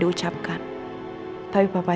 diucapkan tapi papa